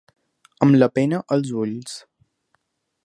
Amb la pena als ulls.